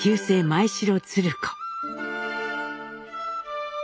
前城鶴子。